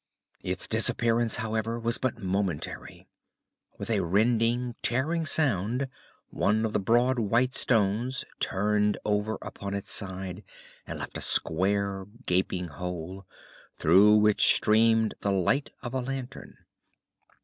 Its disappearance, however, was but momentary. With a rending, tearing sound, one of the broad, white stones turned over upon its side and left a square, gaping hole, through which streamed the light of a lantern.